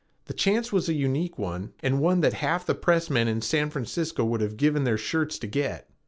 The chance was a unique one and one that half the press men in San Francisco would have given their shirts to get.